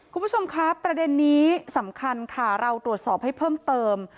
คุณผู้ชมครับประเด็นนี้สำคัญค่ะเราตรวจสอบให้เพิ่มเติม